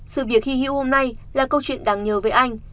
sự việc hy hữu hôm nay là câu chuyện đáng nhớ với anh